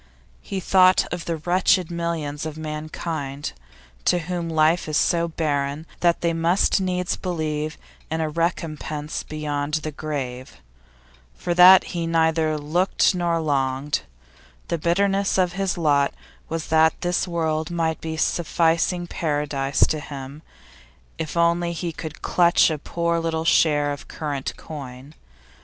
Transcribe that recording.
He thought of the wretched millions of mankind to whom life is so barren that they must needs believe in a recompense beyond the grave. For that he neither looked nor longed. The bitterness of his lot was that this world might be a sufficing paradise to him if only he could clutch a poor little share of current coin.